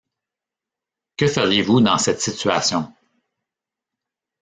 Que feriez-vous dans cette situation?